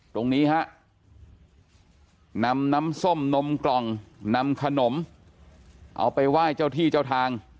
ตรงนี้ฮะนำน้ำส้มนมกล่องนำขนมเอาไปไหว้เจ้าที่เจ้าทาง